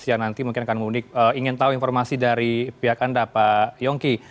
yang nanti mungkin akan mudik ingin tahu informasi dari pihak anda pak yongki